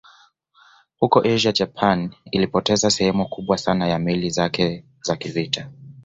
Huko Asia Japan ilipoteza sehemu kubwa sana ya meli zake za kivita